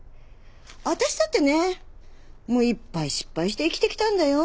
私だってねいっぱい失敗して生きてきたんだよ。